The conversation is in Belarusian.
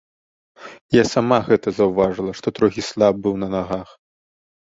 Я сама гэта заўважыла, што трохі слаб быў на нагах.